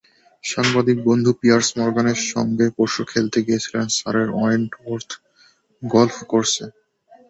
সাংবাদিক বন্ধু পিয়ার্স মরগানের সঙ্গে পরশু খেলতে গিয়েছিলেন সারের ওয়েন্টওর্থ গলফ কোর্সে।